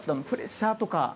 プレッシャーとか。